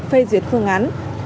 phê duyệt phương án